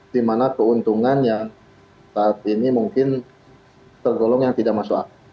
di mana keuntungan yang saat ini mungkin tergolong yang tidak masuk akal